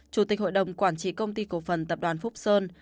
chủ tịch hội đồng quản trị công ty cổ phần tập đoàn phúc sơn